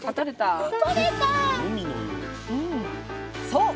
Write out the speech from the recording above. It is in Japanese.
そう！